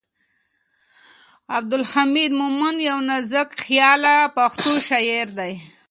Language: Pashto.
عبدالحمید مومند یو نازکخیاله پښتو شاعر دی.